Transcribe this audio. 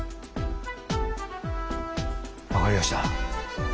分かりやした。